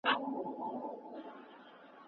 شیطان به ګوري تر قیامته چې انسان وژنې ته